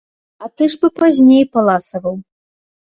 А ты ж бы пазней паласаваў.